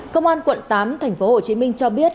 công an quận tám tp hcm cho biết